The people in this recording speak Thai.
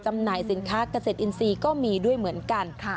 หน่ายสินค้าเกษตรอินทรีย์ก็มีด้วยเหมือนกัน